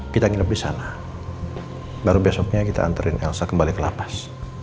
kita nginep disana baru besoknya kita anterin elsa kembali ke lapas